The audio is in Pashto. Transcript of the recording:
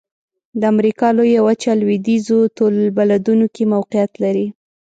د امریکا لویه وچه لویدیځو طول البلدونو کې موقعیت لري.